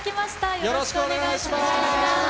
よろしくお願いします。